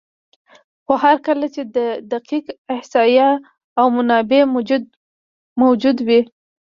خو هر کله چې دقیق احصایه او منابع موجود وي،